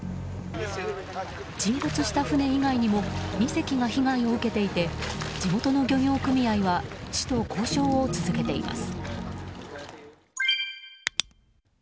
沈没した船以外にも２隻が被害を受けていて地元の漁業組合は市と交渉を続けています。